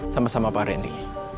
sama sama pak rendy